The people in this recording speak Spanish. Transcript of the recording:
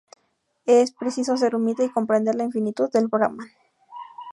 Es preciso ser humilde y comprender la infinitud del Brahman.